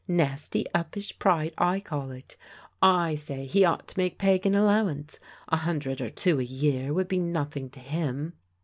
Nasty, uppish pride, I call it I say he ought to make Peg an allowance. A himdred or two a year would be nothing to him.